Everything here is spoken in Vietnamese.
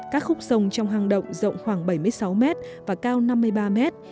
các khúc sông trong hang động rộng khoảng bảy mươi sáu mét và cao năm mươi ba mét